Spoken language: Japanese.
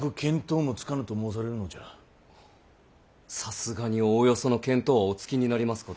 さすがにおおよその見当はおつきになりますかと。